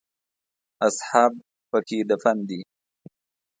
اصحاب په کې دفن دي.